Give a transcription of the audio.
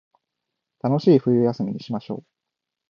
楽しい冬休みにしましょう